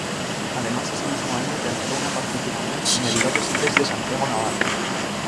Además ese mismo año realizó una participación en el Love Express de Santiago Navarro.